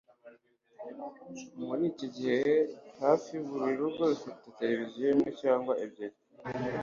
Muri iki gihe hafi buri rugo rufite televiziyo imwe cyangwa ebyiri